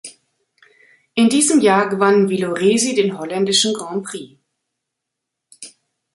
In diesem Jahr gewann Villoresi den holländischen Grand Prix.